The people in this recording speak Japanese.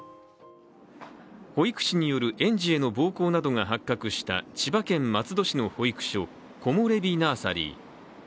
保育士による園児への暴行が発覚した千葉県松戸市の保育所コモレビ・ナーサリー。